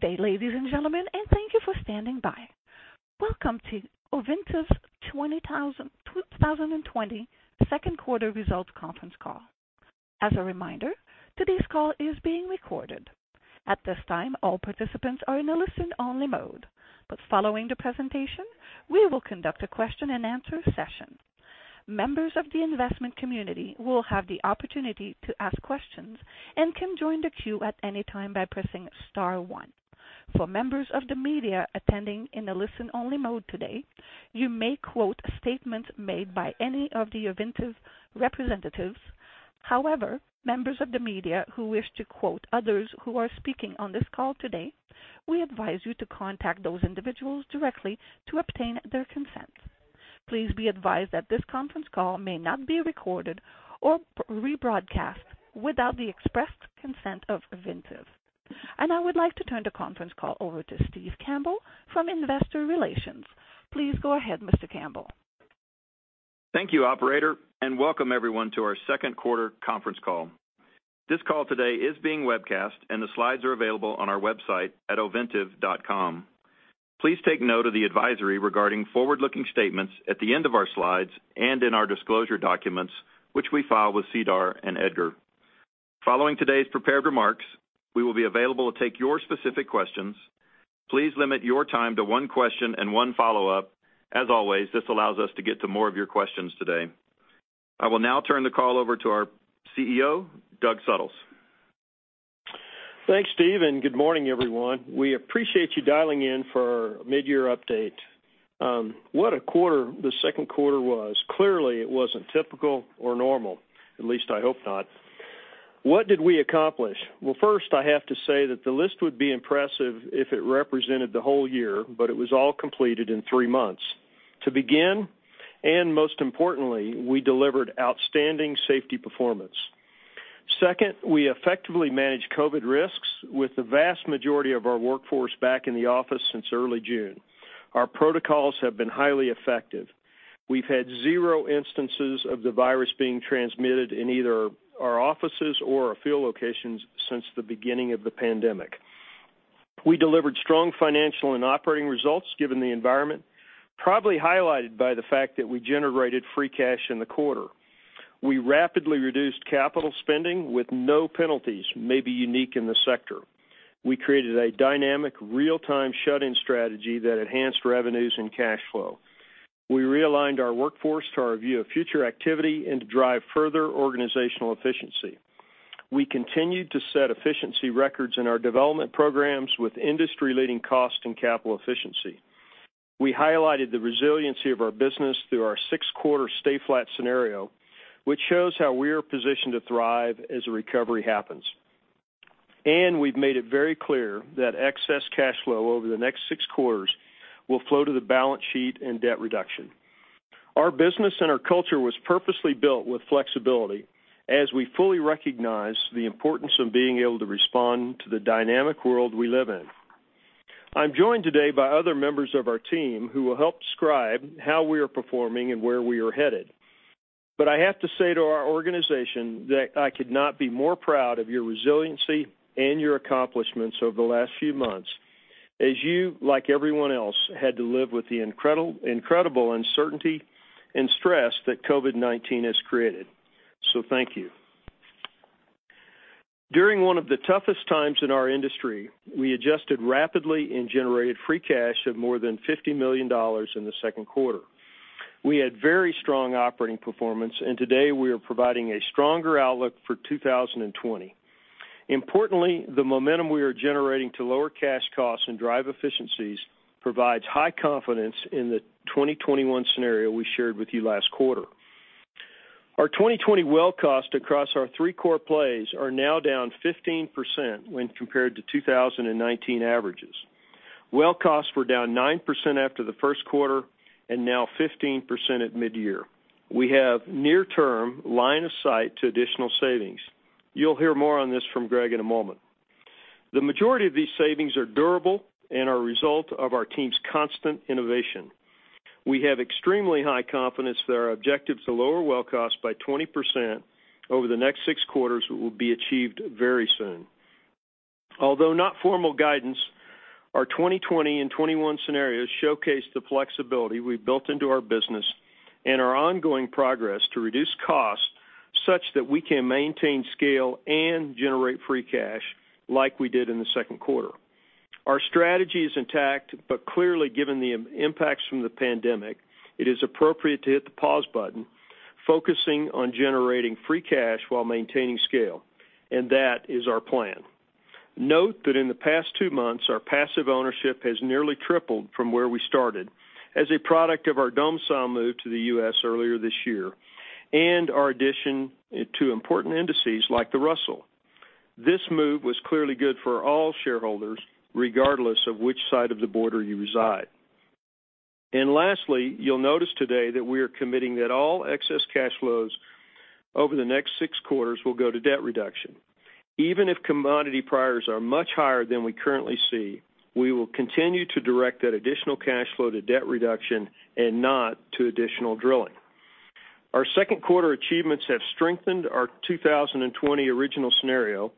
Good day, ladies and gentlemen, and thank you for standing by. Welcome to Ovintiv's 2020 second quarter results conference call. As a reminder, today's call is being recorded. At this time, all participants are in a listen-only mode, but following the presentation, we will conduct a question-and-answer session. Members of the investment community will have the opportunity to ask questions and can join the queue at any time by pressing star one. For members of the media attending in a listen-only mode today, you may quote statements made by any of the Ovintiv representatives. However, members of the media who wish to quote others who are speaking on this call today, we advise you to contact those individuals directly to obtain their consent. Please be advised that this conference call may not be recorded or rebroadcast without the expressed consent of Ovintiv. I would like to turn the conference call over to Steve Campbell from Investor Relations. Please go ahead, Mr. Campbell. Thank you, operator. Welcome everyone to our second quarter conference call. This call today is being webcast, and the slides are available on our website at ovintiv.com. Please take note of the advisory regarding forward-looking statements at the end of our slides and in our disclosure documents, which we file with SEDAR and EDGAR. Following today's prepared remarks, we will be available to take your specific questions. Please limit your time to one question and one follow-up. As always, this allows us to get to more of your questions today. I will now turn the call over to our CEO, Doug Suttles. Thanks, Steve. Good morning, everyone. We appreciate you dialing in for our mid-year update. What a quarter the second quarter was. Clearly, it wasn't typical or normal, at least I hope not. What did we accomplish? Well, first, I have to say that the list would be impressive if it represented the whole year, but it was all completed in three months. To begin, most importantly, we delivered outstanding safety performance. Second, we effectively managed COVID risks with the vast majority of our workforce back in the office since early June. Our protocols have been highly effective. We've had zero instances of the virus being transmitted in either our offices or our field locations since the beginning of the pandemic. We delivered strong financial and operating results given the environment, probably highlighted by the fact that we generated free cash in the quarter. We rapidly reduced capital spending with no penalties, maybe unique in the sector. We created a dynamic real-time shut-in strategy that enhanced revenues and cash flow. We realigned our workforce to our view of future activity and to drive further organizational efficiency. We continued to set efficiency records in our development programs with industry-leading cost and capital efficiency. We highlighted the resiliency of our business through our six-quarter stay-flat scenario, which shows how we are positioned to thrive as a recovery happens. We've made it very clear that excess cash flow over the next six quarters will flow to the balance sheet and debt reduction. Our business and our culture was purposely built with flexibility as we fully recognize the importance of being able to respond to the dynamic world we live in. I'm joined today by other members of our team who will help describe how we are performing and where we are headed. I have to say to our organization that I could not be more proud of your resiliency and your accomplishments over the last few months as you, like everyone else, had to live with the incredible uncertainty and stress that COVID-19 has created. Thank you. During one of the toughest times in our industry, we adjusted rapidly and generated free cash of more than $50 million in the second quarter. We had very strong operating performance, and today we are providing a stronger outlook for 2020. Importantly, the momentum we are generating to lower cash costs and drive efficiencies provides high confidence in the 2021 scenario we shared with you last quarter. Our 2020 well costs across our three core plays are now down 15% when compared to 2019 averages. Well costs were down 9% after the first quarter and now 15% at mid-year. We have near-term line of sight to additional savings. You'll hear more on this from Greg in a moment. The majority of these savings are durable and are a result of our team's constant innovation. We have extremely high confidence that our objective to lower well costs by 20% over the next six quarters will be achieved very soon. Although not formal guidance, our 2020 and 2021 scenarios showcase the flexibility we've built into our business and our ongoing progress to reduce costs such that we can maintain scale and generate free cash like we did in the second quarter. Our strategy is intact. Clearly, given the impacts from the pandemic, it is appropriate to hit the pause button, focusing on generating free cash while maintaining scale, and that is our plan. Note that in the past two months, our passive ownership has nearly tripled from where we started as a product of our domicile move to the U.S. earlier this year and our addition to important indices like the Russell. This move was clearly good for all shareholders, regardless of which side of the border you reside. Lastly, you'll notice today that we are committing that all excess cash flows over the next 6 quarters will go to debt reduction. Even if commodity prices are much higher than we currently see, we will continue to direct that additional cash flow to debt reduction and not to additional drilling. Our second quarter achievements have strengthened our 2020 original scenario.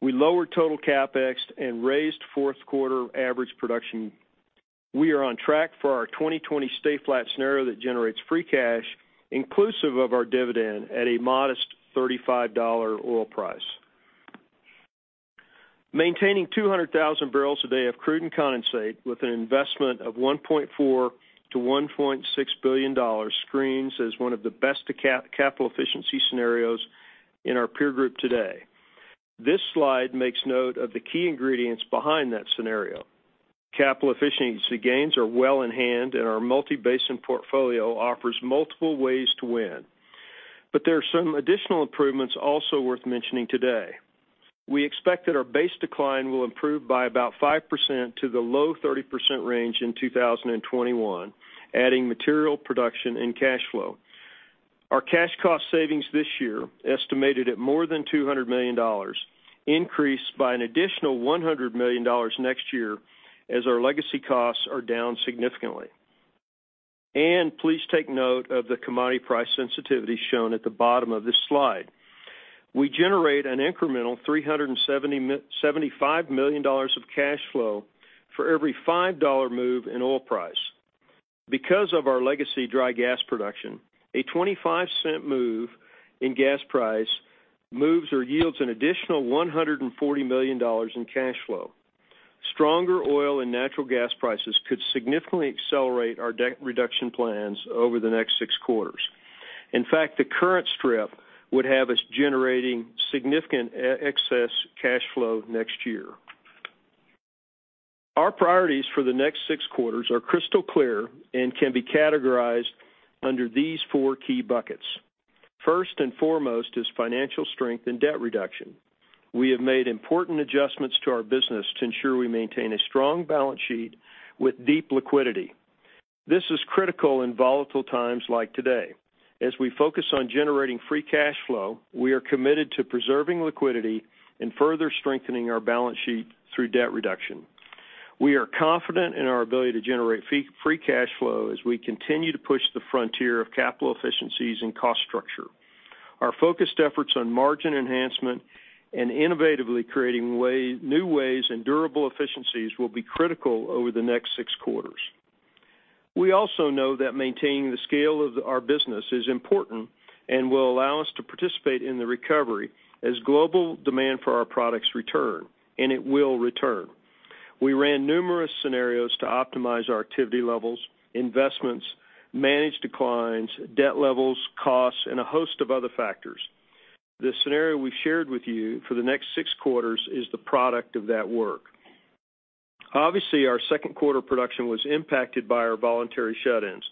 We lowered total CapEx and raised fourth quarter average production. We are on track for our 2020 stay-flat scenario that generates free cash, inclusive of our dividend at a modest $35 oil price. Maintaining 200,000 bbl a day of crude and condensate with an investment of $1.4 billion-$1.6 billion screens as one of the best capital efficiency scenarios in our peer group today. This slide makes note of the key ingredients behind that scenario. Capital efficiency gains are well in hand. Our multi-basin portfolio offers multiple ways to win. There are some additional improvements also worth mentioning today. We expect that our base decline will improve by about 5% to the low 30% range in 2021, adding material production and cash flow. Our cash cost savings this year, estimated at more than $200 million, increased by an additional $100 million next year as our legacy costs are down significantly. Please take note of the commodity price sensitivity shown at the bottom of this slide. We generate an incremental $375 million of cash flow for every $5 move in oil price. Because of our legacy dry gas production, a $0.25 move in gas price moves or yields an additional $140 million in cash flow. Stronger oil and natural gas prices could significantly accelerate our debt reduction plans over the next six quarters. In fact, the current strip would have us generating significant excess cash flow next year. Our priorities for the next six quarters are crystal clear and can be categorized under these four key buckets. First and foremost is financial strength and debt reduction. We have made important adjustments to our business to ensure we maintain a strong balance sheet with deep liquidity. This is critical in volatile times like today. As we focus on generating free cash flow, we are committed to preserving liquidity and further strengthening our balance sheet through debt reduction. We are confident in our ability to generate free cash flow as we continue to push the frontier of capital efficiencies and cost structure. Our focused efforts on margin enhancement and innovatively creating new ways and durable efficiencies will be critical over the next six quarters. We also know that maintaining the scale of our business is important and will allow us to participate in the recovery as global demand for our products return, and it will return. We ran numerous scenarios to optimize our activity levels, investments, managed declines, debt levels, costs, and a host of other factors. The scenario we've shared with you for the next six quarters is the product of that work. Obviously, our second quarter production was impacted by our voluntary shut-ins,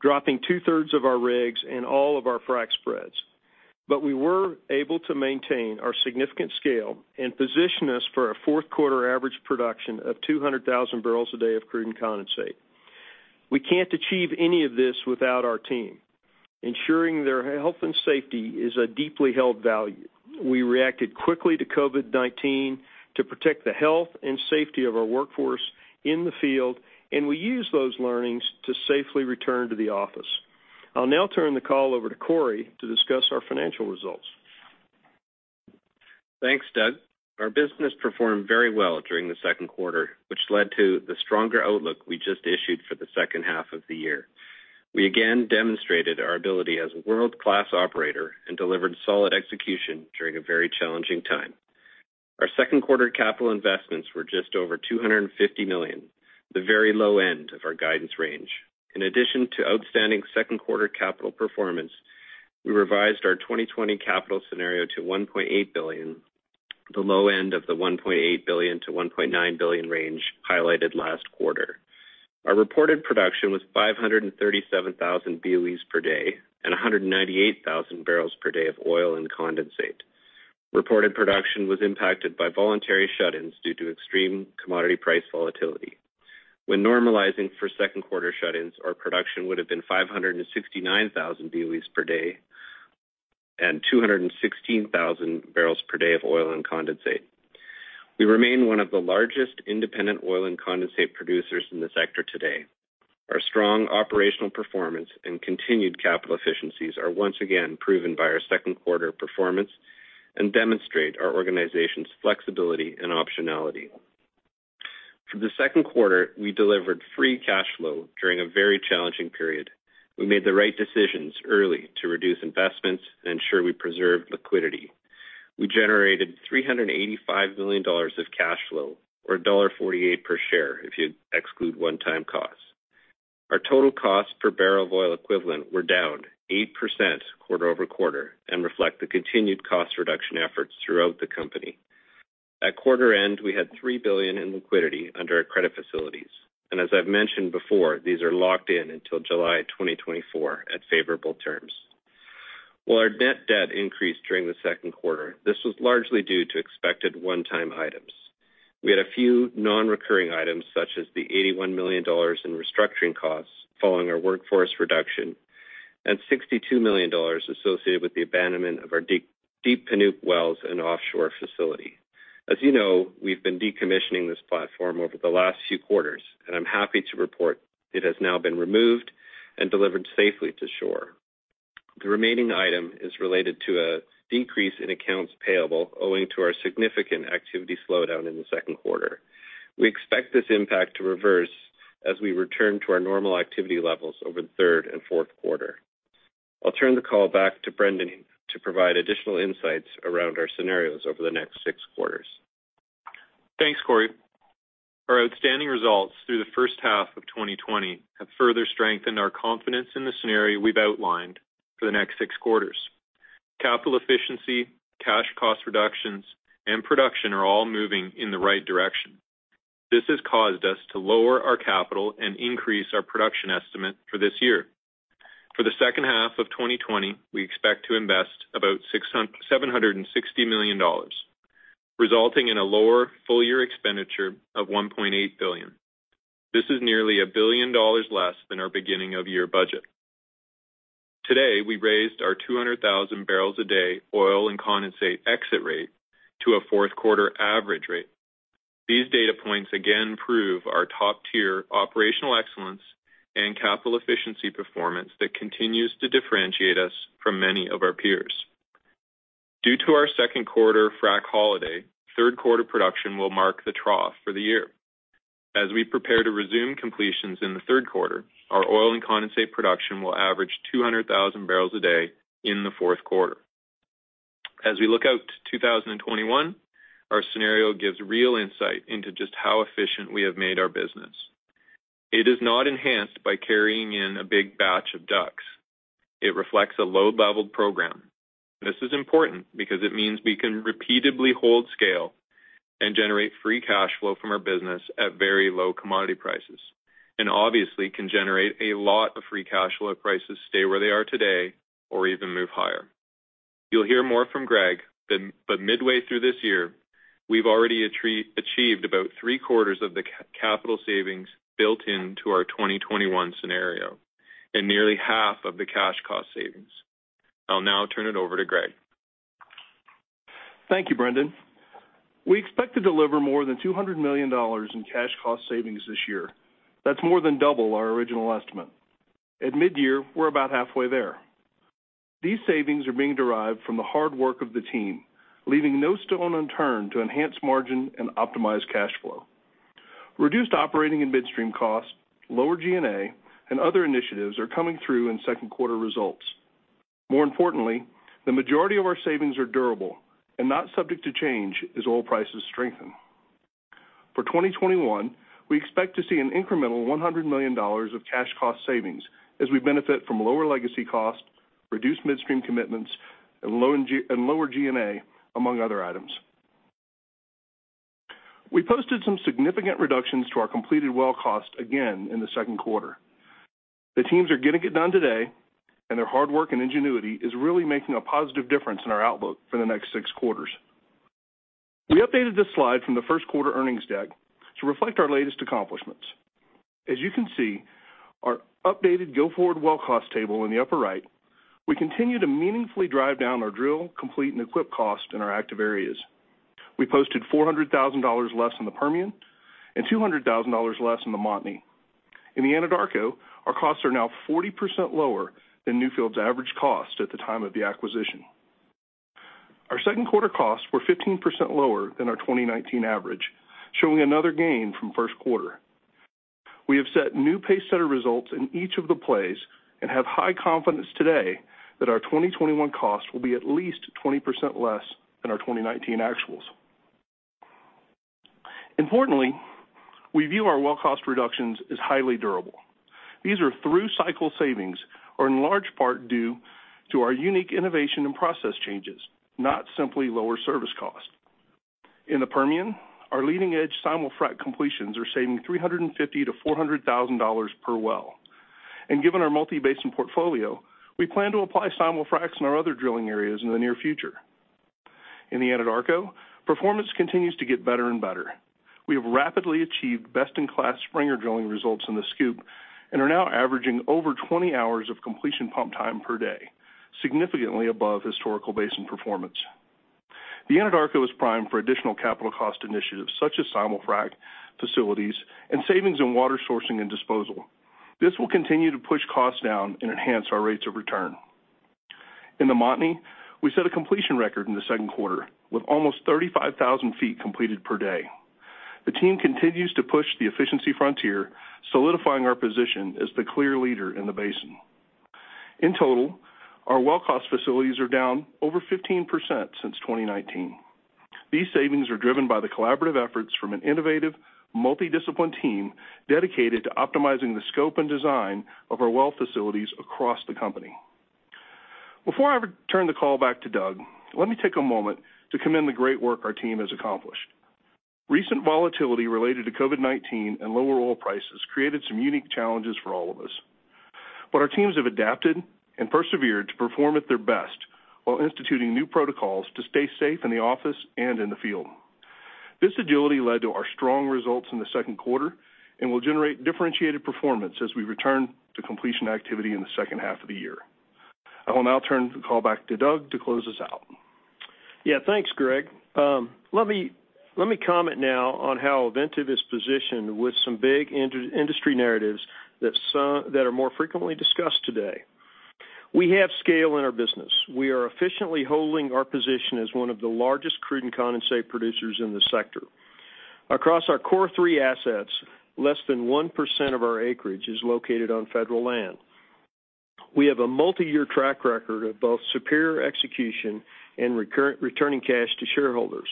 dropping 2/3 of our rigs and all of our frac spreads. We were able to maintain our significant scale and position us for a fourth quarter average production of 200,000 bbl a day of crude and condensate. We can't achieve any of this without our team. Ensuring their health and safety is a deeply held value. We reacted quickly to COVID-19 to protect the health and safety of our workforce in the field, and we use those learnings to safely return to the office. I'll now turn the call over to Corey to discuss our financial results. Thanks, Doug. Our business performed very well during the second quarter, which led to the stronger outlook we just issued for the second half of the year. We again demonstrated our ability as a world-class operator and delivered solid execution during a very challenging time. Our second quarter capital investments were just over $250 million, the very low end of our guidance range. In addition to outstanding second quarter capital performance, we revised our 2020 capital scenario to $1.8 billion, the low end of the $1.8 billion-$1.9 billion range highlighted last quarter. Our reported production was 537,000 BOEs per day and 198,000 bbl per day of oil and condensate. Reported production was impacted by voluntary shut-ins due to extreme commodity price volatility. When normalizing for second quarter shut-ins, our production would have been 569,000 BOEs per day and 216,000 bbl per day of oil and condensate. We remain one of the largest independent oil and condensate producers in the sector today. Our strong operational performance and continued capital efficiencies are once again proven by our second quarter performance and demonstrate our organization's flexibility and optionality. For the second quarter, we delivered free cash flow during a very challenging period. We made the right decisions early to reduce investments and ensure we preserve liquidity. We generated $385 million of cash flow, or $1.48 per share if you exclude one-time costs. Our total cost per barrel of oil equivalent were down 8% quarter-over-quarter and reflect the continued cost reduction efforts throughout the company. At quarter end, we had $3 billion in liquidity under our credit facilities. As I've mentioned before, these are locked in until July 2024 at favorable terms. While our net debt increased during the second quarter, this was largely due to expected one-time items. We had a few non-recurring items, such as the $81 million in restructuring costs following our workforce reduction and $62 million associated with the abandonment of our Deep Panuke wells and offshore facility. As you know, we've been decommissioning this platform over the last few quarters, and I'm happy to report it has now been removed and delivered safely to shore. The remaining item is related to a decrease in accounts payable owing to our significant activity slowdown in the second quarter. We expect this impact to reverse as we return to our normal activity levels over the third and fourth quarter. I'll turn the call back to Brendan to provide additional insights around our scenarios over the next six quarters. Thanks, Corey. Our outstanding results through the first half of 2020 have further strengthened our confidence in the scenario we've outlined for the next six quarters. Capital efficiency, cash cost reductions, and production are all moving in the right direction. This has caused us to lower our capital and increase our production estimate for this year. For the second half of 2020, we expect to invest about $760 million, resulting in a lower full-year expenditure of $1.8 billion. This is nearly $1 billion less than our beginning of year budget. Today, we raised our 200,000 bbl a day oil and condensate exit rate to a fourth quarter average rate. These data points again prove our top-tier operational excellence and capital efficiency performance that continues to differentiate us from many of our peers. Due to our second quarter frac holiday, third quarter production will mark the trough for the year. As we prepare to resume completions in the third quarter, our oil and condensate production will average 200,000 bbl a day in the fourth quarter. As we look out to 2021, our scenario gives real insight into just how efficient we have made our business. It is not enhanced by carrying in a big batch of DUCs. It reflects a low-leveled program. This is important because it means we can repeatedly hold scale and generate free cash flow from our business at very low commodity prices, and obviously can generate a lot of free cash flow if prices stay where they are today or even move higher. You'll hear more from Greg, but midway through this year, we've already achieved about three-quarters of the capital savings built into our 2021 scenario and nearly half of the cash cost savings. I'll now turn it over to Greg. Thank you, Brendan. We expect to deliver more than $200 million in cash cost savings this year. That's more than double our original estimate. At midyear, we're about halfway there. These savings are being derived from the hard work of the team, leaving no stone unturned to enhance margin and optimize cash flow. Reduced operating and midstream costs, lower G&A, and other initiatives are coming through in second quarter results. More importantly, the majority of our savings are durable and not subject to change as oil prices strengthen. For 2021, we expect to see an incremental $100 million of cash cost savings as we benefit from lower legacy costs, reduced midstream commitments, and lower G&A, among other items. We posted some significant reductions to our completed well cost again in the second quarter. The teams are getting it done today, and their hard work and ingenuity is really making a positive difference in our outlook for the next six quarters. We updated this slide from the first quarter earnings deck to reflect our latest accomplishments. As you can see, our updated go-forward well cost table in the upper right, we continue to meaningfully drive down our drill, complete, and equip cost in our active areas. We posted $400,000 less in the Permian and $200,000 less in the Montney. In the Anadarko, our costs are now 40% lower than Newfield's average cost at the time of the acquisition. Our second quarter costs were 15% lower than our 2019 average, showing another gain from first quarter. We have set new pacesetter results in each of the plays and have high confidence today that our 2021 costs will be at least 20% less than our 2019 actuals. Importantly, we view our well cost reductions as highly durable. These are through cycle savings in large part due to our unique innovation and process changes, not simply lower service cost. In the Permian, our leading edge simul-frac completions are saving $350,000-$400,000 per well. Given our multi-basin portfolio, we plan to apply simul-fracs in our other drilling areas in the near future. In the Anadarko, performance continues to get better and better. We have rapidly achieved best-in-class Springer drilling results in the SCOOP and are now averaging over 20 hours of completion pump time per day, significantly above historical basin performance. The Anadarko is primed for additional capital cost initiatives, such as simul-frac facilities and savings in water sourcing and disposal. This will continue to push costs down and enhance our rates of return. In the Montney, we set a completion record in the second quarter with almost 35,000 ft completed per day. The team continues to push the efficiency frontier, solidifying our position as the clear leader in the basin. In total, our well cost facilities are down over 15% since 2019. These savings are driven by the collaborative efforts from an innovative, multi-disciplined team dedicated to optimizing the scope and design of our well facilities across the company. Before I return the call back to Doug, let me take a moment to commend the great work our team has accomplished. Recent volatility related to COVID-19 and lower oil prices created some unique challenges for all of us, but our teams have adapted and persevered to perform at their best while instituting new protocols to stay safe in the office and in the field. This agility led to our strong results in the second quarter and will generate differentiated performance as we return to completion activity in the second half of the year. I will now turn the call back to Doug to close us out. Yeah, thanks, Greg. Let me comment now on how Ovintiv is positioned with some big industry narratives that are more frequently discussed today. We have scale in our business. We are efficiently holding our position as one of the largest crude and condensate producers in the sector. Across our core three assets, less than 1% of our acreage is located on federal land. We have a multi-year track record of both superior execution and returning cash to shareholders.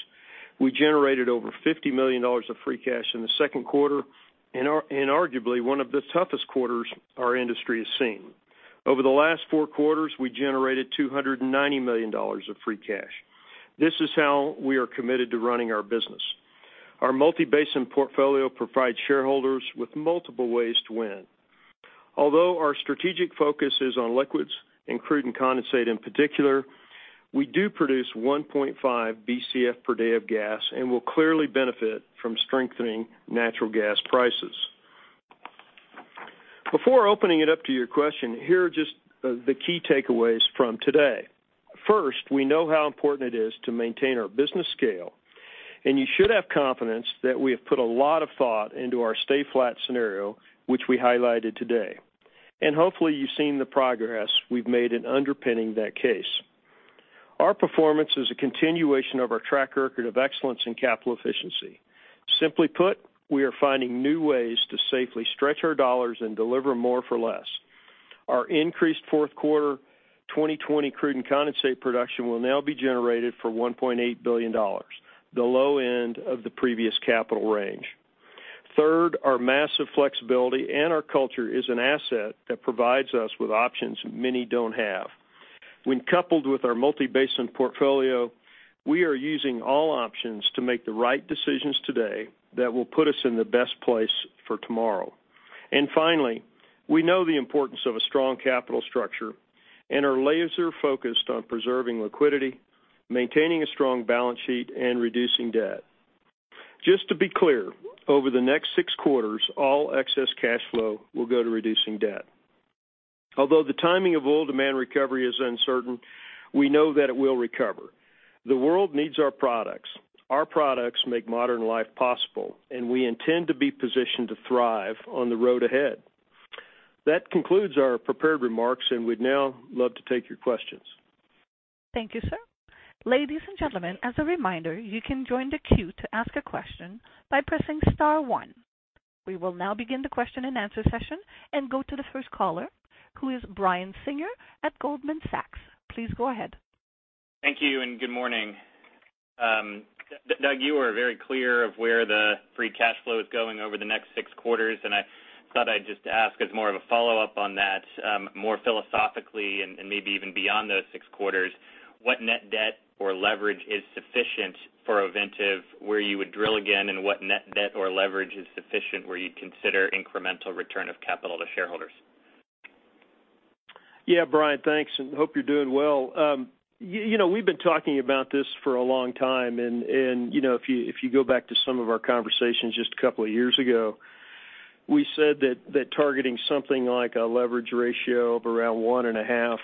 We generated over $50 million of free cash in the second quarter in arguably one of the toughest quarters our industry has seen. Over the last four quarters, we generated $290 million of free cash. This is how we are committed to running our business. Our multi-basin portfolio provides shareholders with multiple ways to win. Although our strategic focus is on liquids and crude and condensate in particular, we do produce 1.5 Bcf per day of gas and will clearly benefit from strengthening natural gas prices. Before opening it up to your question, here are just the key takeaways from today. First, we know how important it is to maintain our business scale, and you should have confidence that we have put a lot of thought into our stay-flat scenario, which we highlighted today. Hopefully you've seen the progress we've made in underpinning that case. Our performance is a continuation of our track record of excellence in capital efficiency. Simply put, we are finding new ways to safely stretch our dollars and deliver more for less. Our increased fourth quarter 2020 crude and condensate production will now be generated for $1.8 billion, the low end of the previous capital range. Third, our massive flexibility and our culture is an asset that provides us with options many don't have. When coupled with our multi-basin portfolio, we are using all options to make the right decisions today that will put us in the best place for tomorrow. Finally, we know the importance of a strong capital structure and are laser-focused on preserving liquidity, maintaining a strong balance sheet, and reducing debt. Just to be clear, over the next six quarters, all excess cash flow will go to reducing debt. Although the timing of oil demand recovery is uncertain, we know that it will recover. The world needs our products. Our products make modern life possible, and we intend to be positioned to thrive on the road ahead. That concludes our prepared remarks, and we'd now love to take your questions. Thank you, sir. Ladies and gentlemen, as a reminder, you can join the queue to ask a question by pressing star one. We will now begin the question-and-answer session and go to the first caller, who is Brian Singer at Goldman Sachs. Please go ahead. Thank you, and good morning. Doug, you were very clear of where the free cash flow is going over the next six quarters, and I thought I'd just ask as more of a follow-up on that, more philosophically and maybe even beyond those six quarters, what net debt or leverage is sufficient for Ovintiv where you would drill again, and what net debt or leverage is sufficient where you'd consider incremental return of capital to shareholders? Yeah, Brian, thanks, and hope you're doing well. We've been talking about this for a long time. If you go back to some of our conversations just a couple of years ago, we said that targeting something like a leverage ratio of around one and a half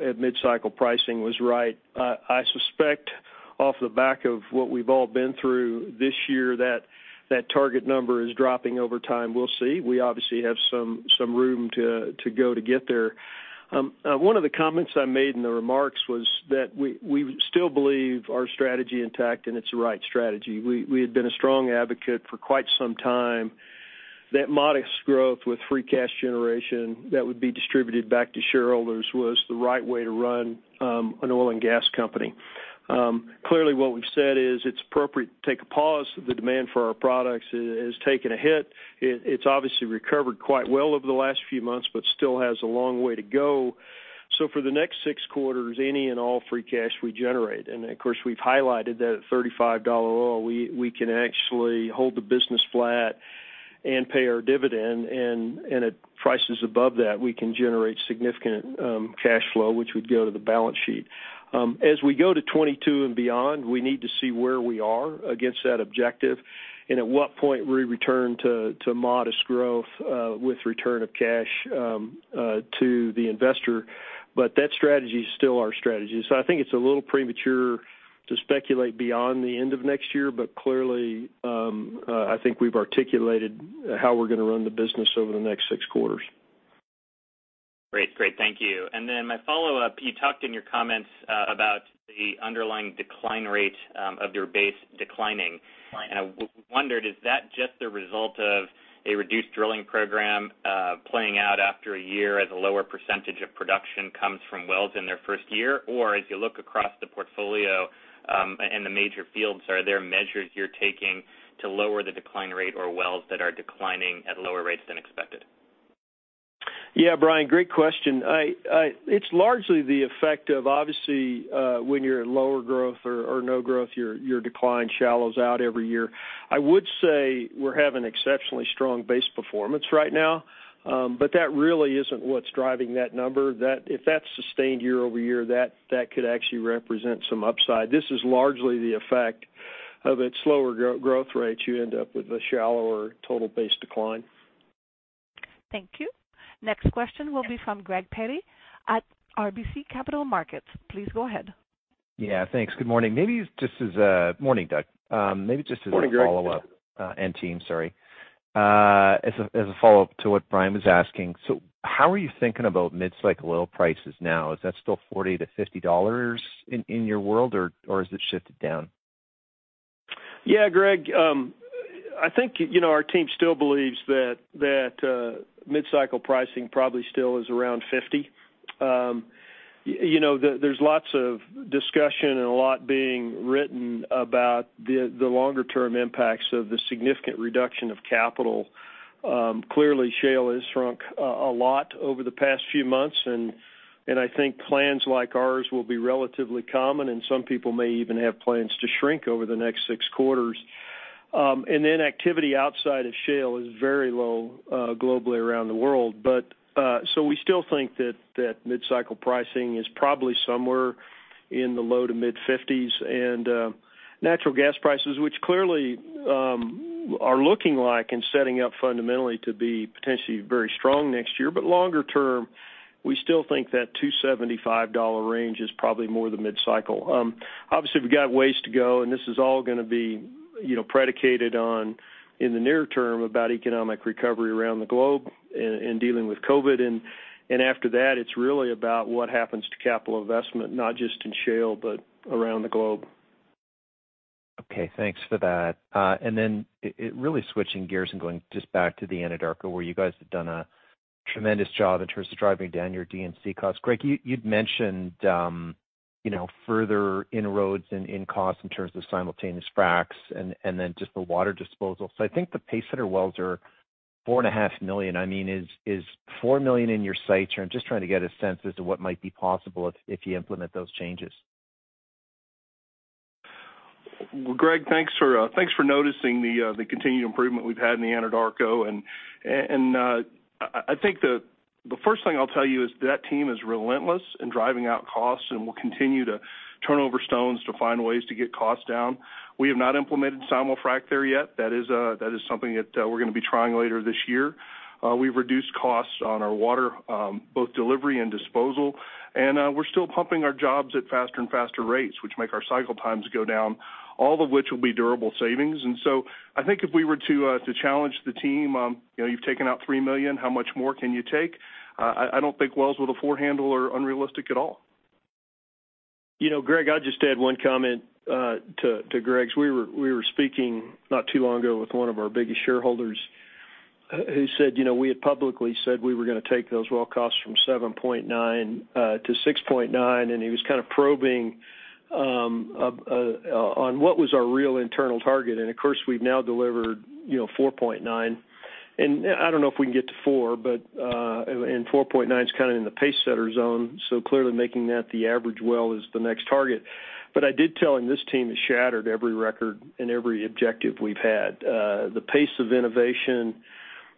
at mid-cycle pricing was right. I suspect off the back of what we've all been through this year that that target number is dropping over time. We'll see. We obviously have some room to go to get there. One of the comments I made in the remarks was that we still believe our strategy intact, and it's the right strategy. We had been a strong advocate for quite some time that modest growth with free cash generation that would be distributed back to shareholders was the right way to run an oil and gas company. Clearly, what we've said is it's appropriate to take a pause. The demand for our products has taken a hit. It's obviously recovered quite well over the last few months, but still has a long way to go. For the next six quarters, any and all free cash we generate, and of course, we've highlighted that at $35 oil, we can actually hold the business flat and pay our dividend. At prices above that, we can generate significant cash flow, which would go to the balance sheet. As we go to 2022 and beyond, we need to see where we are against that objective and at what point we return to modest growth with return of cash to the investor. That strategy is still our strategy. I think it's a little premature to speculate beyond the end of next year. Clearly, I think we've articulated how we're going to run the business over the next six quarters. Great. Thank you. My follow-up, you talked in your comments about the underlying decline rate of your base declining. I wondered, is that just the result of a reduced drilling program playing out after a year as a lower percentage of production comes from wells in their first year? As you look across the portfolio and the major fields, are there measures you're taking to lower the decline rate or wells that are declining at lower rates than expected? Yeah, Brian, great question. It's largely the effect of, obviously, when you're at lower growth or no growth, your decline shallows out every year. I would say we're having exceptionally strong base performance right now, but that really isn't what's driving that number. If that's sustained year-over-year, that could actually represent some upside. This is largely the effect of at slower growth rates, you end up with a shallower total base decline. Thank you. Next question will be from Greg Pardy at RBC Capital Markets. Please go ahead. Yeah, thanks. Good morning. Morning, Doug. Morning, Greg. team, sorry, as a follow-up to what Brian was asking. How are you thinking about mid-cycle oil prices now? Is that still $40-$50 in your world, or has it shifted down? Yeah, Greg, I think our team still believes that mid-cycle pricing probably still is around $50. There's lots of discussion and a lot being written about the longer-term impacts of the significant reduction of capital. Clearly, shale has shrunk a lot over the past few months, and I think plans like ours will be relatively common, and some people may even have plans to shrink over the next six quarters. activity outside of shale is very low globally around the world. We still think that mid-cycle pricing is probably somewhere in the low to mid-$50s. Natural gas prices, which clearly are looking like and setting up fundamentally to be potentially very strong next year. Longer term, we still think that $2.75 range is probably more the mid-cycle. Obviously, we've got ways to go, and this is all going to be predicated on, in the near term, about economic recovery around the globe and dealing with COVID. After that, it's really about what happens to capital investment, not just in shale, but around the globe. Okay. Thanks for that. Really switching gears and going just back to the Anadarko, where you guys have done a tremendous job in terms of driving down your D&C costs. Greg, you'd mentioned further inroads in cost in terms of simultaneous fracs and then just the water disposal. I think the pace-setter wells are $4.5 million. Is $4 million in your sights here? I'm just trying to get a sense as to what might be possible if you implement those changes. Well, Greg, thanks for noticing the continued improvement we've had in the Anadarko, and I think the first thing I'll tell you is that team is relentless in driving out costs and will continue to turn over stones to find ways to get costs down. We have not implemented simul-frac there yet. That is something that we're going to be trying later this year. We've reduced costs on our water, both delivery and disposal, and we're still pumping our jobs at faster and faster rates, which make our cycle times go down, all of which will be durable savings. I think if we were to challenge the team, you've taken out $3 million, how much more can you take? I don't think wells with a four-handle are unrealistic at all. Greg, I'd just add one comment to Greg's. We were speaking not too long ago with one of our biggest shareholders who said we had publicly said we were going to take those well costs from $7.9-$6.9, and he was kind of probing on what was our real internal target. Of course, we've now delivered $4.9. I don't know if we can get to $4, but, and $4.9 is kind of in the pace-setter zone, so clearly making that the average well is the next target. I did tell him this team has shattered every record and every objective we've had. The pace of innovation,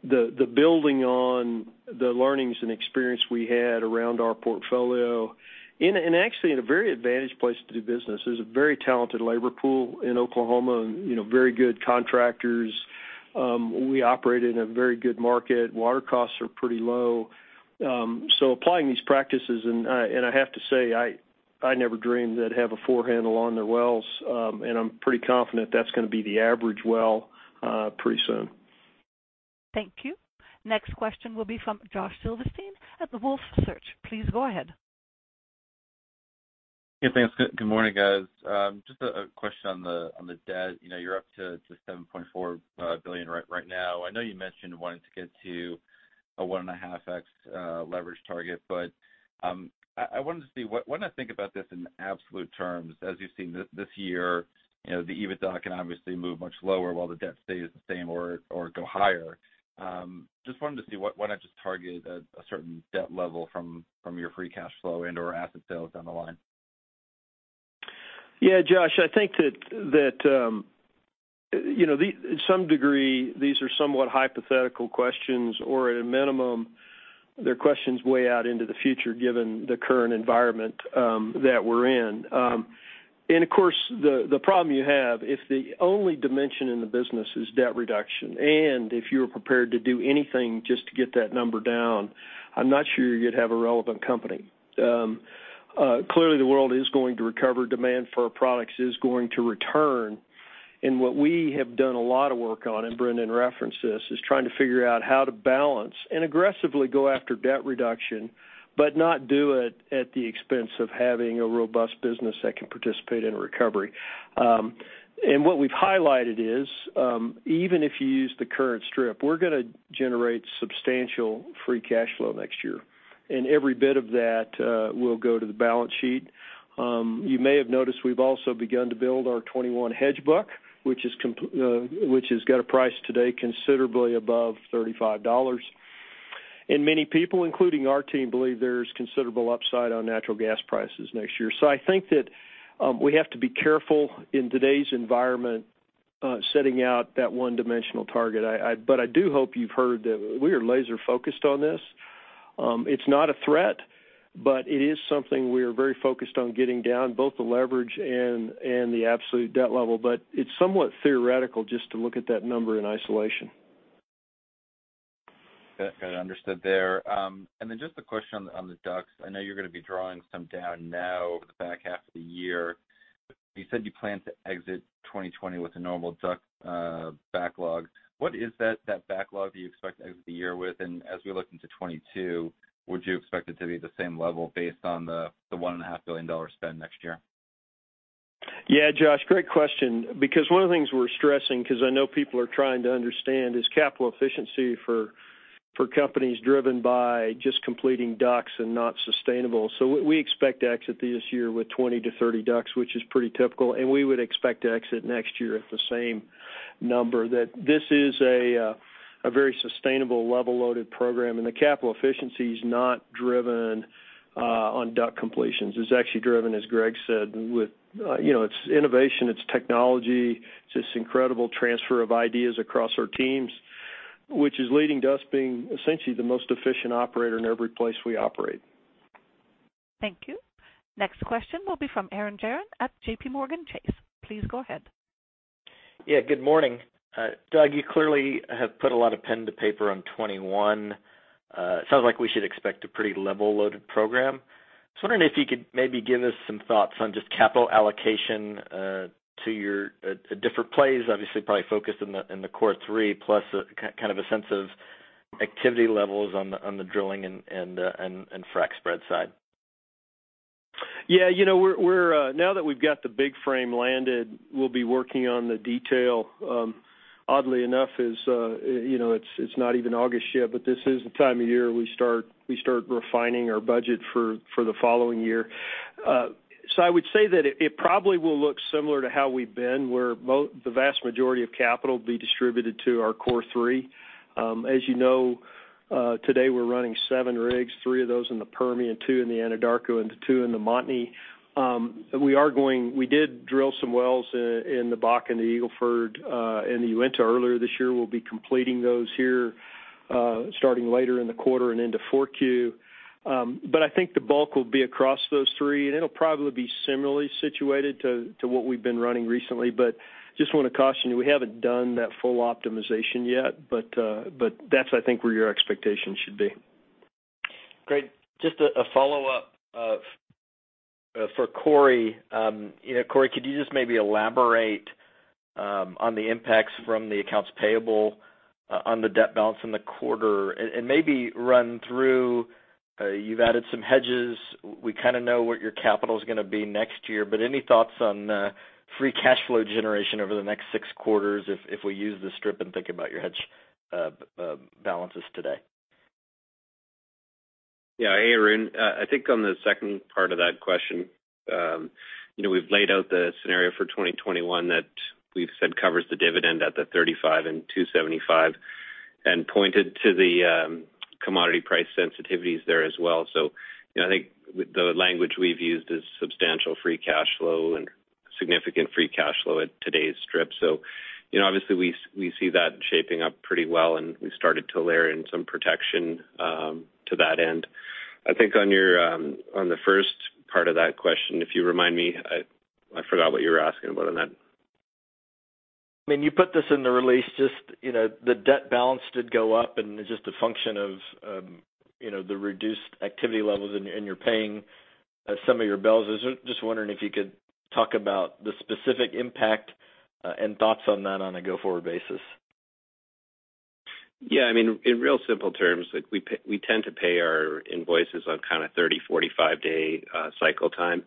the building on the learnings and experience we had around our portfolio, and actually in a very advantaged place to do business. There's a very talented labor pool in Oklahoma, very good contractors. We operate in a very good market. Water costs are pretty low. Applying these practices, and I have to say, I never dreamed they'd have a four handle on their wells. I'm pretty confident that's going to be the average well pretty soon. Thank you. Next question will be from Josh Silverstein at Wolfe Research. Please go ahead. Yeah, thanks. Good morning, guys. Just a question on the debt. You're up to $7.4 billion right now. I know you mentioned wanting to get to a 1.5x leverage target. I wanted to see, why not think about this in absolute terms? As you've seen this year, the EBITDA can obviously move much lower while the debt stays the same or go higher. Just wanted to see why not just target a certain debt level from your free cash flow and/or asset sales down the line? Yeah, Josh, I think that to some degree, these are somewhat hypothetical questions, or at a minimum, they're questions way out into the future, given the current environment that we're in. Of course, the problem you have, if the only dimension in the business is debt reduction, and if you are prepared to do anything just to get that number down, I'm not sure you'd have a relevant company. Clearly, the world is going to recover. Demand for our products is going to return. What we have done a lot of work on, and Brendan referenced this, is trying to figure out how to balance and aggressively go after debt reduction, but not do it at the expense of having a robust business that can participate in a recovery. What we've highlighted is, even if you use the current strip, we're going to generate substantial free cash flow next year, and every bit of that will go to the balance sheet. You may have noticed we've also begun to build our 2021 hedge book, which has got a price today considerably above $35. Many people, including our team, believe there's considerable upside on natural gas prices next year. I think that we have to be careful in today's environment setting out that one-dimensional target. I do hope you've heard that we are laser-focused on this. It's not a threat, but it is something we are very focused on getting down, both the leverage and the absolute debt level. It's somewhat theoretical just to look at that number in isolation. Got it understood there. Just a question on the DUCs. I know you're going to be drawing some down now over the back half of the year. You said you plan to exit 2020 with a normal DUC backlog. What is that backlog that you expect to exit the year with? As we look into 2022, would you expect it to be the same level based on the $1.5 billion spend next year? Josh, great question, because one of the things we're stressing, because I know people are trying to understand, is capital efficiency for companies driven by just completing DUCs and not sustainable. We expect to exit this year with 20-30 DUCs, which is pretty typical, and we would expect to exit next year at the same number. That this is a very sustainable level-loaded program, and the capital efficiency is not driven on DUC completions. It's actually driven, as Greg said, with its innovation, its technology, just incredible transfer of ideas across our teams, which is leading to us being essentially the most efficient operator in every place we operate. Thank you. Next question will be from Arun Jayaram at JPMorgan Chase. Please go ahead. Yeah. Good morning. Doug, you clearly have put a lot of pen to paper on 2021. It sounds like we should expect a pretty level-loaded program. I was wondering if you could maybe give us some thoughts on just capital allocation to your different plays, obviously probably focused in the core three, plus kind of a sense of activity levels on the drilling and frac spread side. Yeah. Now that we've got the big frame landed, we'll be working on the detail. Oddly enough, it's not even August yet, but this is the time of year we start refining our budget for the following year. I would say that it probably will look similar to how we've been, where the vast majority of capital will be distributed to our core three. As you know today we're running seven rigs, three of those in the Permian, two in the Anadarko, and the two in the Montney. We did drill some wells in the Bakken, the Eagle Ford, and the Uinta earlier this year. We'll be completing those here starting later in the quarter and into 4Q. I think the bulk will be across those three, and it'll probably be similarly situated to what we've been running recently. Just want to caution you, we haven't done that full optimization yet. That's, I think, where your expectations should be. Great. Just a follow-up for Corey. Corey, could you just maybe elaborate on the impacts from the accounts payable on the debt balance in the quarter and maybe run through, you've added some hedges. We kind of know what your capital's going to be next year. Any thoughts on free cash flow generation over the next six quarters if we use the strip and think about your hedge balances today? Yeah. Hey, Arun. I think on the second part of that question, we've laid out the scenario for 2021 that we've said covers the dividend at the $35 and $2.75, and pointed to the commodity price sensitivities there as well. I think the language we've used is substantial free cash flow and significant free cash flow at today's strip. Obviously we see that shaping up pretty well, and we started to layer in some protection to that end. I think on the first part of that question, if you remind me, I forgot what you were asking about on that. You put this in the release, just the debt balance did go up, and it's just a function of the reduced activity levels, and you're paying some of your bills. I was just wondering if you could talk about the specific impact and thoughts on that on a go-forward basis. Yeah. In real simple terms, we tend to pay our invoices on kind of 30, 45-day cycle time.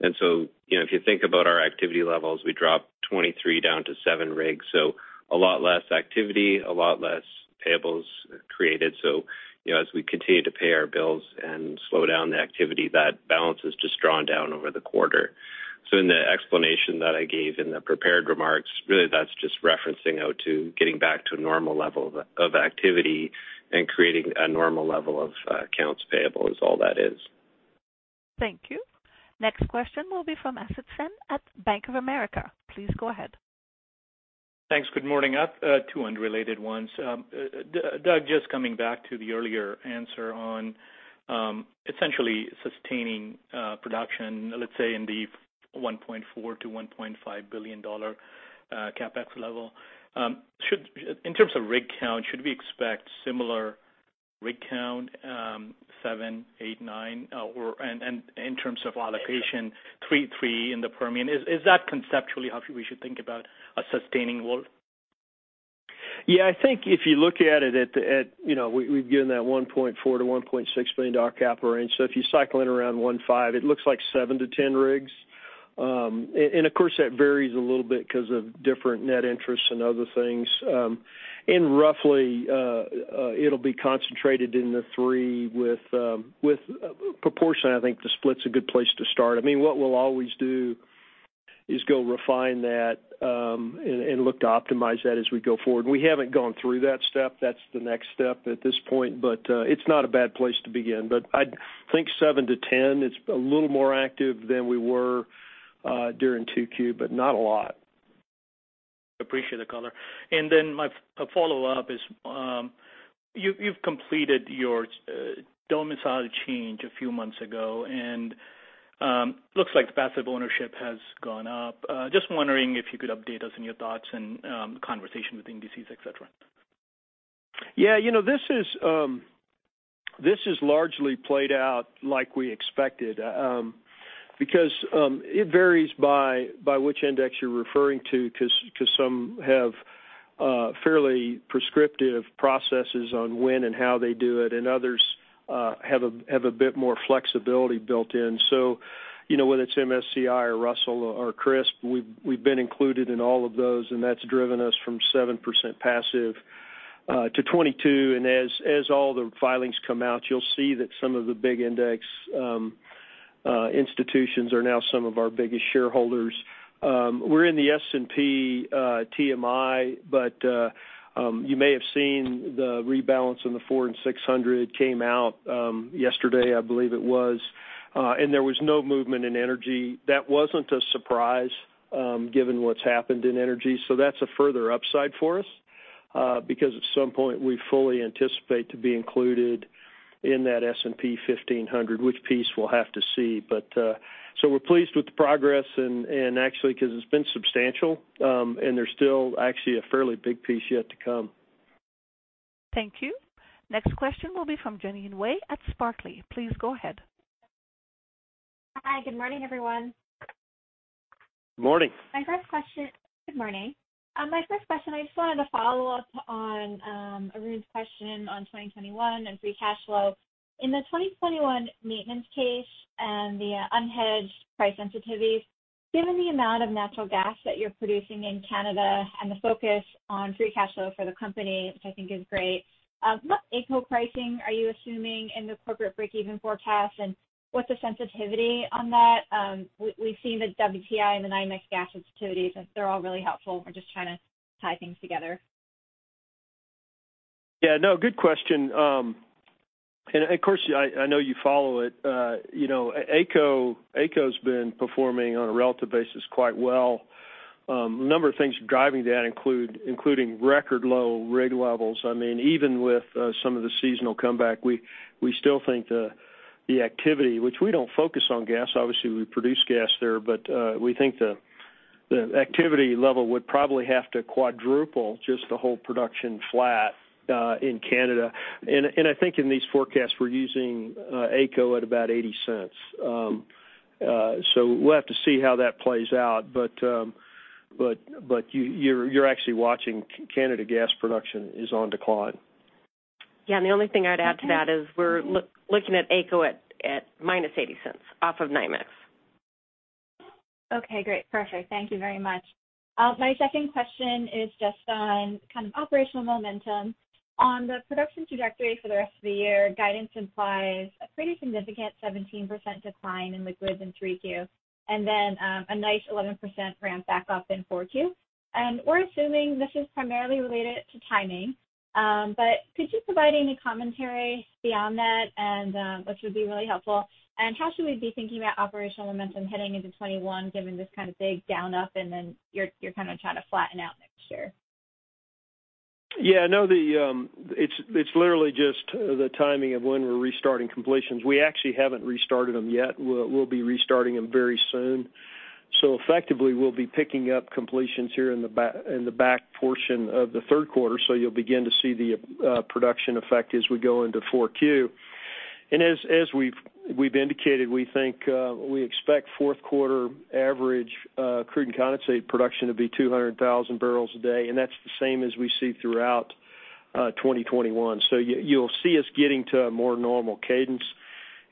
If you think about our activity levels, we dropped 23 down to seven rigs. A lot less activity, a lot less payables created. As we continue to pay our bills and slow down the activity, that balance is just drawn down over the quarter. In the explanation that I gave in the prepared remarks, really that's just referencing out to getting back to a normal level of activity and creating a normal level of accounts payable is all that is. Thank you. Next question will be from Asit Sen at Bank of America. Please go ahead. Thanks. Good morning. I have two unrelated ones. Doug, just coming back to the earlier answer on essentially sustaining production, let's say in the $1.4 billion-$1.5 billion CapEx level. In terms of rig count, should we expect similar rig count, seven, eight, nine? In terms of allocation, three in the Permian. Is that conceptually how we should think about a sustaining role? I think if you look at it, we've given that $1.4 billion-$1.6 billion CapEx range. If you cycle it around $1.5 billion, it looks like seven to 10 rigs. Of course, that varies a little bit because of different net interests and other things. Roughly, it'll be concentrated in the three with proportionately, I think, the split's a good place to start. What we'll always do is go refine that and look to optimize that as we go forward. We haven't gone through that step. That's the next step at this point, but it's not a bad place to begin. I think seven to 10 rigs. It's a little more active than we were during 2Q, but not a lot. Appreciate the color. My follow-up is, you've completed your domicile change a few months ago, and looks like passive ownership has gone up. Just wondering if you could update us on your thoughts and conversation with indices, et cetera. Yeah. This has largely played out like we expected because it varies by which index you're referring to, because some have fairly prescriptive processes on when and how they do it, and others have a bit more flexibility built in. Whether it's MSCI or Russell or CRSP, we've been included in all of those, and that's driven us from 7% passive to 22%. As all the filings come out, you'll see that some of the big index institutions are now some of our biggest shareholders. We're in the S&P TMI. You may have seen the rebalance in the S&P 400 and S&P 600 came out yesterday, I believe it was. There was no movement in energy. That wasn't a surprise, given what's happened in energy. That's a further upside for us, because at some point, we fully anticipate to be included in that S&P 1500, which piece we'll have to see. We're pleased with the progress and actually, because it's been substantial, and there's still actually a fairly big piece yet to come. Thank you. Next question will be from Jeanine Wai at Barclays. Please go ahead. Hi, good morning, everyone. Morning. Good morning. My first question, I just wanted to follow up on Arun's question on 2021 and free cash flow. In the 2021 maintenance case and the unhedged price sensitivity, given the amount of natural gas that you're producing in Canada and the focus on free cash flow for the company, which I think is great, what AECO pricing are you assuming in the corporate breakeven forecast, and what's the sensitivity on that? We've seen the WTI and the NYMEX gas sensitivities, and they're all really helpful. We're just trying to tie things together. Yeah. No, good question. Of course, I know you follow it. AECO's been performing on a relative basis quite well. A number of things driving that including record low rig levels. Even with some of the seasonal comeback, we still think the activity, which we don't focus on gas, obviously, we produce gas there, but we think the activity level would probably have to quadruple just to hold production flat in Canada. I think in these forecasts, we're using AECO at about 0.80. We'll have to see how that plays out. You're actually watching Canada gas production is on decline. Yeah, the only thing I'd add to that is we're looking at AECO at -0.80 off of NYMEX. Okay, great. Perfect. Thank you very much. My second question is just on operational momentum. On the production trajectory for the rest of the year, guidance implies a pretty significant 17% decline in liquids in 3Q, and then a nice 11% ramp back up in 4Q. We're assuming this is primarily related to timing. Could you provide any commentary beyond that, and which would be really helpful, and how should we be thinking about operational momentum heading into 2021, given this kind of big down up, and then you're kind of trying to flatten out next year? Yeah, no, it's literally just the timing of when we're restarting completions. We actually haven't restarted them yet. We'll be restarting them very soon. Effectively, we'll be picking up completions here in the back portion of the third quarter, so you'll begin to see the production effect as we go into 4Q. As we've indicated, we expect fourth quarter average crude and condensate production to be 200,000 bbl a day, and that's the same as we see throughout 2021. You'll see us getting to a more normal cadence.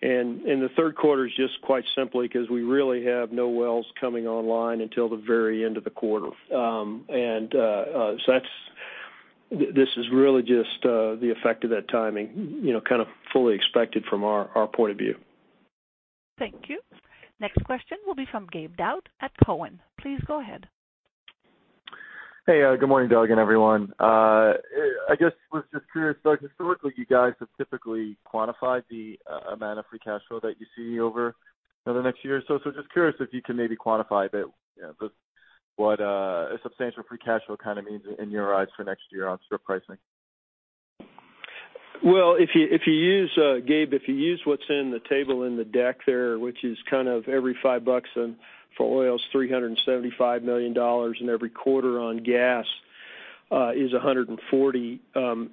The third quarter is just quite simply because we really have no wells coming online until the very end of the quarter. This is really just the effect of that timing, kind of fully expected from our point of view. Thank you. Next question will be from Gabe Daoud at Cowen. Please go ahead. Hey, good morning, Doug and everyone. I guess was just curious, historically, you guys have typically quantified the amount of free cash flow that you see over the next year or so. Just curious if you can maybe quantify a bit what a substantial free cash flow kind of means in your eyes for next year on strip pricing. Gabe, if you use what's in the table in the deck there, which is kind of every $5 for oil is $375 million, and every quarter on gas is $140.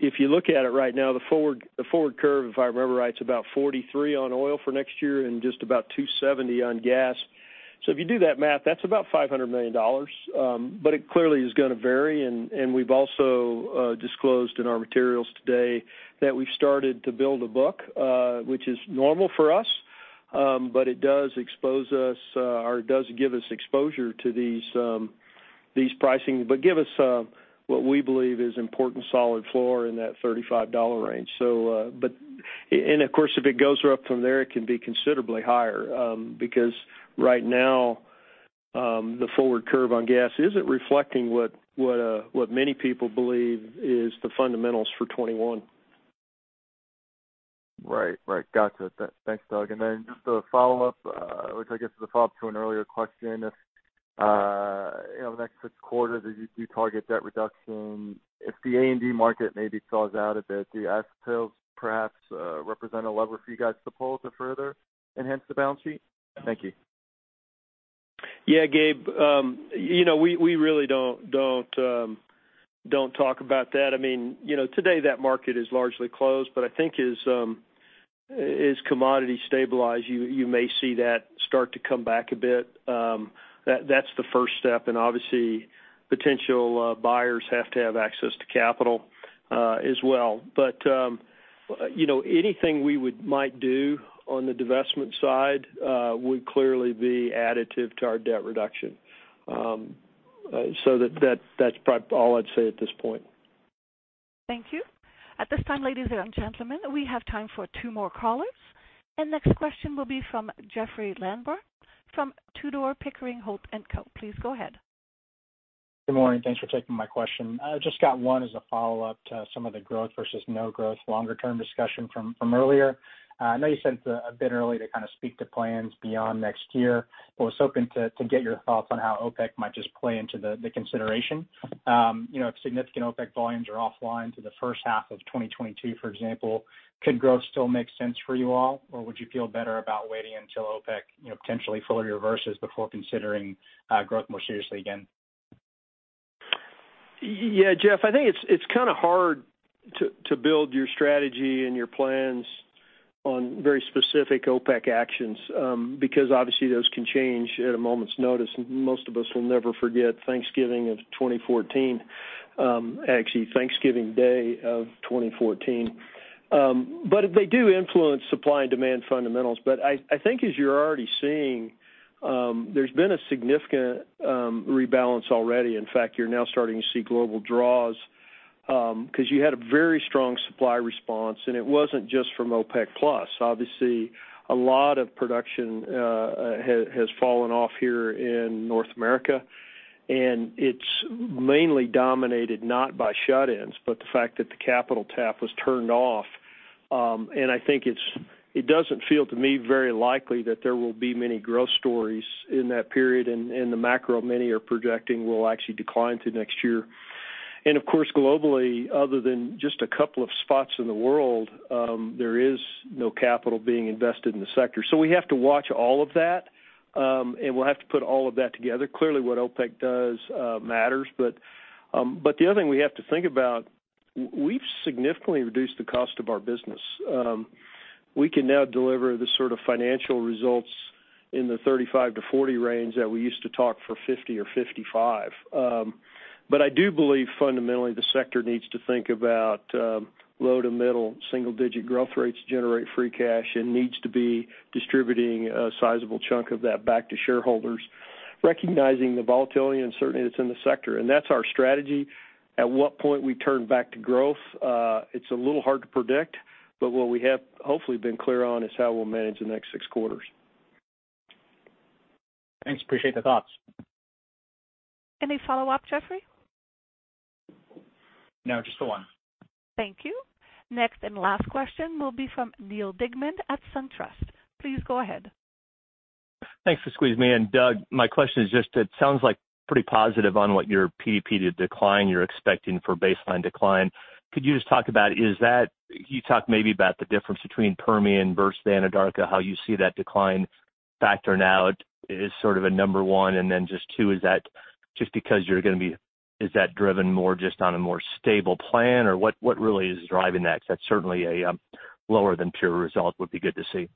If you look at it right now, the forward curve, if I remember right, it's about $43 on oil for next year and just about $2.70 on gas. If you do that math, that's about $500 million. It clearly is going to vary, and we've also disclosed in our materials today that we've started to build a book, which is normal for us. It does expose us, or it does give us exposure to these pricing, but give us what we believe is important solid floor in that $35 range. Of course, if it goes up from there, it can be considerably higher, because right now, the forward curve on gas isn't reflecting what many people believe is the fundamentals for 2021. Right. Gotcha. Thanks, Doug. Just a follow-up, which I guess is a follow-up to an earlier question. If the next six quarters, as you do target debt reduction, if the A&D market maybe thaws out a bit, do asset sales perhaps represent a lever for you guys to pull to further enhance the balance sheet? Thank you. Yeah, Gabe. We really don't talk about that. Today, that market is largely closed, but I think as commodity stabilize, you may see that start to come back a bit. That's the first step, and obviously potential buyers have to have access to capital as well. Anything we might do on the divestment side would clearly be additive to our debt reduction. That's probably all I'd say at this point. Thank you. At this time, ladies and gentlemen, we have time for two more callers. Next question will be from Jeoffrey Lambujon from Tudor, Pickering, Holt & Co. Please go ahead. Good morning. Thanks for taking my question. I just got one as a follow-up to some of the growth versus no growth longer-term discussion from earlier. Was hoping to get your thoughts on how OPEC might just play into the consideration. If significant OPEC volumes are offline to the first half of 2022, for example, could growth still make sense for you all? Would you feel better about waiting until OPEC potentially fully reverses before considering growth more seriously again? Yeah, Jeff, I think it's kind of hard to build your strategy and your plans on very specific OPEC actions, because obviously those can change at a moment's notice. Most of us will never forget Thanksgiving of 2014. Actually, Thanksgiving Day of 2014. They do influence supply and demand fundamentals. I think as you're already seeing, there's been a significant rebalance already. In fact, you're now starting to see global draws, because you had a very strong supply response, and it wasn't just from OPEC Plus. Obviously, a lot of production has fallen off here in North America, and it's mainly dominated not by shut-ins, but the fact that the capital tap was turned off. I think it doesn't feel to me very likely that there will be many growth stories in that period, and the macro many are projecting will actually decline to next year. Of course, globally, other than just a couple of spots in the world, there is no capital being invested in the sector. We have to watch all of that, and we'll have to put all of that together. Clearly, what OPEC does matters, but the other thing we have to think about, we've significantly reduced the cost of our business. We can now deliver the sort of financial results in the 35-40 range that we used to talk for 50 or 55. I do believe fundamentally the sector needs to think about low to middle single-digit growth rates generate free cash and needs to be distributing a sizable chunk of that back to shareholders, recognizing the volatility and certainty that's in the sector. That's our strategy. At what point we turn back to growth, it's a little hard to predict, but what we have hopefully been clear on is how we'll manage the next six quarters. Thanks. Appreciate the thoughts. Any follow-up, Jeoffrey? No, just the one. Thank you. Next and last question will be from Neal Dingmann at SunTrust. Please go ahead. Thanks for squeezing me in. Doug, my question is just, it sounds like pretty positive on what your PDP decline you're expecting for baseline decline. Could you just talk about, can you talk maybe about the difference between Permian versus Anadarko, how you see that decline factoring out as sort of a number one? Just two, is that just because is that driven more just on a more stable plan? What really is driving that? Because that's certainly a lower-than-peer result would be good to see.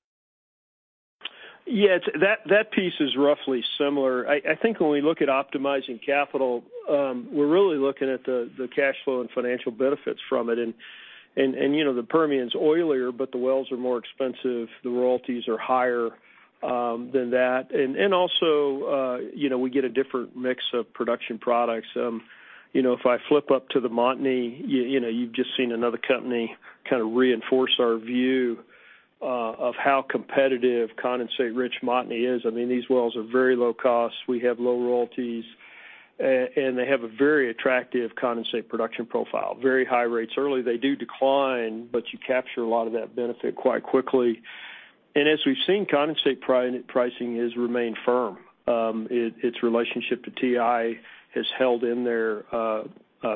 Yeah, that piece is roughly similar. I think when we look at optimizing capital, we're really looking at the cash flow and financial benefits from it. The Permian's oilier, but the wells are more expensive. The royalties are higher than that. Also, we get a different mix of production products. If I flip up to the Montney, you've just seen another company kind of reinforce our view of how competitive condensate-rich Montney is. These wells are very low cost. We have low royalties. They have a very attractive condensate production profile. Very high rates early. They do decline, but you capture a lot of that benefit quite quickly. As we've seen, condensate pricing has remained firm. Its relationship to WTI has held in there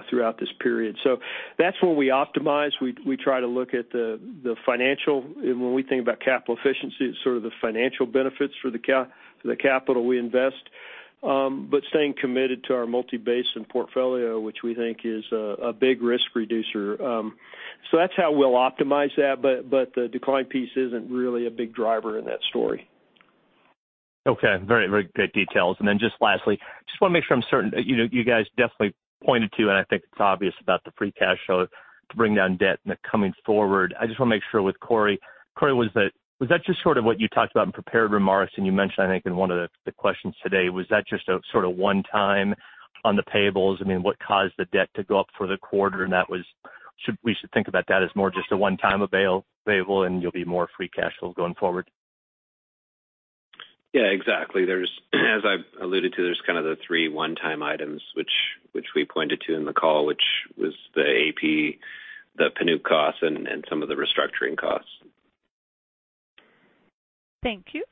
throughout this period. That's where we optimize. We try to look at the financial, when we think about capital efficiency, it's sort of the financial benefits for the capital we invest. Staying committed to our multi-basin portfolio, which we think is a big risk reducer. That's how we'll optimize that, but the decline piece isn't really a big driver in that story. Okay. Very good details. Just lastly, just want to make sure I'm certain. You guys definitely pointed to, and I think it's obvious about the free cash flow to bring down debt coming forward. I just want to make sure with Corey. Corey, was that just sort of what you talked about in prepared remarks, and you mentioned, I think, in one of the questions today, was that just a sort of one-time on the payables? I mean, what caused the debt to go up for the quarter, and that was we should think about that as more just a one-time payable, and you'll be more free cash flow going forward? Yeah, exactly. There's as I've alluded to, there's kind of the three one-time items, which we pointed to in the call, which was the AP, the Panuke costs, and some of the restructuring costs. Thank you.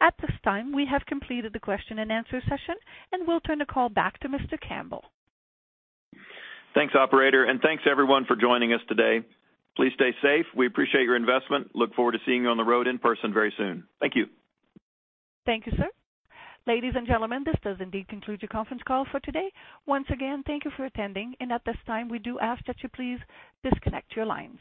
At this time, we have completed the question-and-answer session, and we'll turn the call back to Mr. Campbell. Thanks, operator, and thanks everyone for joining us today. Please stay safe. We appreciate your investment. Look forward to seeing you on the road in person very soon. Thank you. Thank you, sir. Ladies and gentlemen, this does indeed conclude your conference call for today. Once again, thank you for attending, and at this time, we do ask that you please disconnect your lines.